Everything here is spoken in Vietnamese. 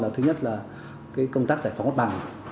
thứ nhất là công tác giải phóng gót bằng